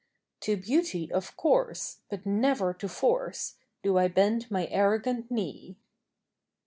To beauty, of course, but never to force, Do I bend my arrogant knee.